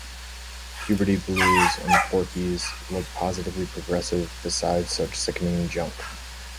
"Puberty Blues" and "Porky's" look positively progressive beside such sickening junk.